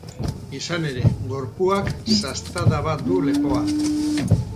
Izan ere, gorpuak sastada bat du lepoan.